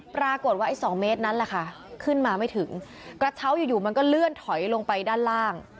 ปรากฏว่าไอ้สองเมตรนั้นแหละค่ะขึ้นมาไม่ถึงกระเช้าอยู่มันก็เลื่อนถอยลงไปด้านล่าง